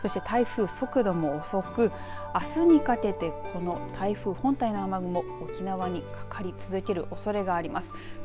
そして台風、速度も遅くあすにかけてこの台風本体の雨雲、沖縄にかかり続けるおそれがあります。